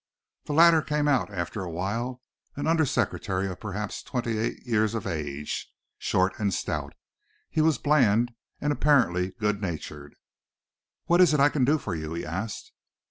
The latter came out after a while, an under secretary of perhaps twenty eight years of age, short and stout. He was bland and apparently good natured. "What is it I can do for you?" he asked.